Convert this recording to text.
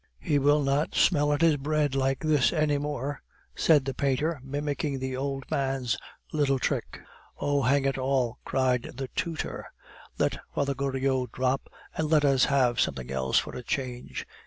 "He will not smell at his bread like this any more," said the painter, mimicking the old man's little trick. "Oh, hang it all!" cried the tutor, "let Father Goriot drop, and let us have something else for a change.